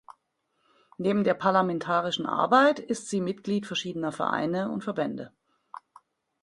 Neben der Parlamentarischen Arbeit ist sie Mitglied verschiedener Vereine und Verbände.